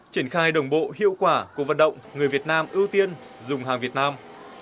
triển khai đồng bộ hiệu quả cuộc vận động người việt nam ưu tiên dùng hàng việt nam